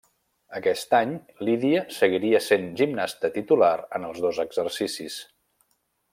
Aquest any Lidia seguiria sent gimnasta titular en els dos exercicis.